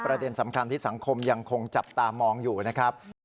ประเด็นสำคัญที่สังคมยังคงจับตามองอยู่นะครับ